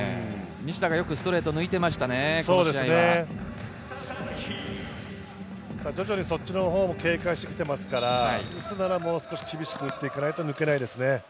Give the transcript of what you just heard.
西田がよくストレートを抜いていましたね、徐々にそっちのほうも警戒してきていますから打つならもう少し厳しく打たないと抜けないですね。